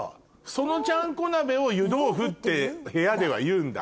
そのちゃんこ鍋を湯豆腐って部屋ではいうんだ。